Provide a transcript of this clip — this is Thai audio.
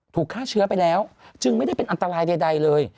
ฆ่าเชื้อไปแล้วจึงไม่ได้เป็นอันตรายใดเลย